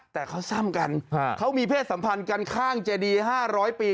แต่เขาซ่ำกันเขามีเพศสัมพันธ์กันข้างเจดี๕๐๐ปี